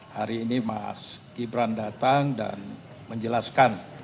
hari ini mas gibran datang dan menjelaskan